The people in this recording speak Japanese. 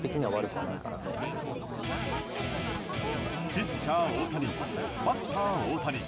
ピッチャー大谷バッター大谷。